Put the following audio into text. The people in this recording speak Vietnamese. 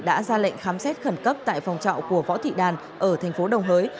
đã ra lệnh khám xét khẩn cấp tại phòng trọ của võ thị đàn ở thành phố đồng hới